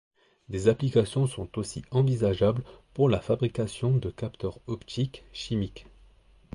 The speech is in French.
Des applications sont aussi envisageables pour la fabrication de capteurs optiques chimiques.